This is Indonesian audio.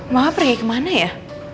mama pergi kemana ya